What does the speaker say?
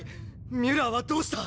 ミュラーはどうした？